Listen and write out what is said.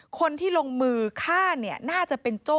คนที่ลงมือฆ่าเนี่ยน่าจะเป็นโจ้